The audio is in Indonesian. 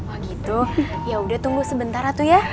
oh gitu yaudah tunggu sebentar tuh ya